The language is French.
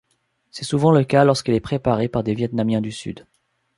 C'est souvent le cas lorsqu'il est préparé par des vietnamiens du sud.